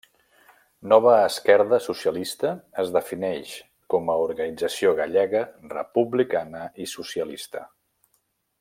Nova Esquerda Socialista es defineix com a organització gallega, republicana i socialista.